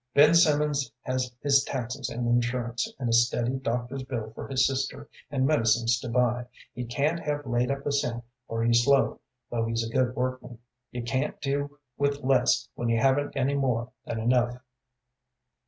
"Ben Simmons has his taxes and insurance, and a steady doctor's bill for his sister, and medicines to buy. He can't have laid up a cent, for he's slow, though he's a good workman. You can't do with less when you haven't any more than enough."